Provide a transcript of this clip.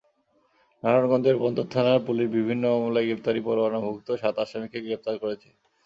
নারায়ণগঞ্জের বন্দর থানার পুলিশ বিভিন্ন মামলায় গ্রেপ্তারি পরোয়ানাভুক্ত সাত আসামিকে গ্রেপ্তার করেছে।